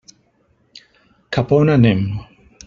Cap a on anem?